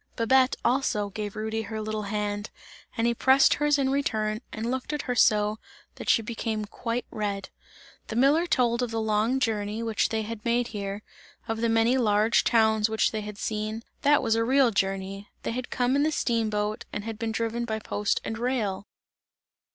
Babette also, gave Rudy her little hand and he pressed her's in return and looked at her, so that she became quite red. The miller told of the long journey which they had made here, of the many large towns which they had seen that was a real journey; they had come in the steam boat and had been driven by post and rail!